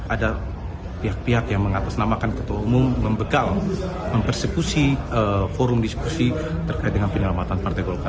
ada pihak pihak yang mengatasnamakan ketua umum membegal mempersekusi forum diskusi terkait dengan penyelamatan partai golkar